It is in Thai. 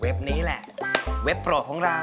เว็บนี้ล่ะเว็บโปรดของเรา